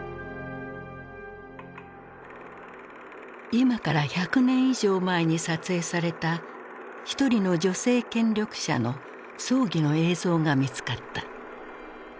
今から１００年以上前に撮影された１人の女性権力者の葬儀の映像が見つかった。